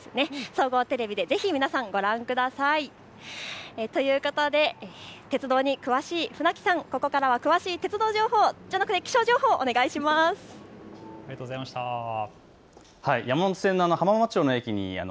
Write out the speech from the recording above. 総合テレビでぜひ皆さんご覧ください。ということで鉄道に詳しい船木さん、ここからは詳しい鉄道情報じゃなくて気象情報お願いします。